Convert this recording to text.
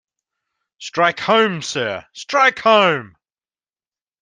Strike home, sir, strike home!